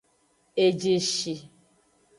Ejeshi.